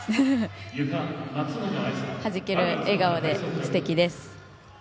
はじける笑顔ですてきです。